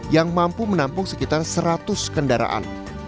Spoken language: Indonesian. yang mampu menampung sekitar seratus kendaraan